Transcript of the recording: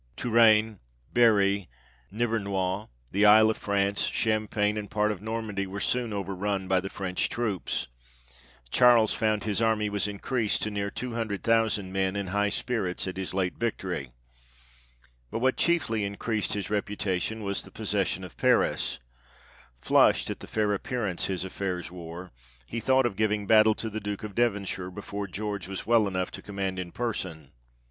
Touraine, Berry, Nivernois, the Isle of France, Cham pagne, and part of Normandy, were soon over run by the French troops; Charles found his army was in creased to near two hundred thousand men, in high spirits at his late victory. But what chiefly increased his reputation, was the possession of Paris. Flushed at the fair appearance his affairs wore, he thought of giving battle to the Duke of Devonshire, before George was well enough to command in person.